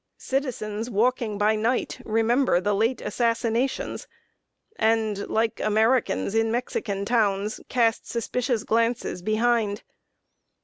Citizens, walking by night, remember the late assassinations, and, like Americans in Mexican towns, cast suspicious glances behind.